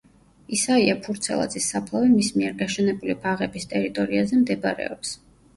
ისაია ფურცელაძის საფლავი მის მიერ გაშენებული ბაღების ტერიტორიაზე მდებარეობს.